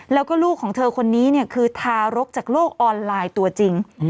แล้วก็ลูกของเธอคนนี้เนี่ยคือทารกจากโลกออนไลน์ตัวจริง